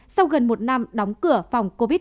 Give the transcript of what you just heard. sau gần một năm đóng cửa phòng covid một mươi